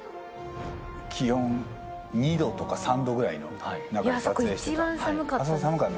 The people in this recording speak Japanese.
気温２度とか３度ぐらいの中で撮影してた。